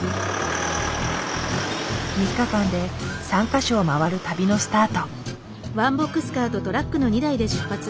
３日間で３か所を回る旅のスタート。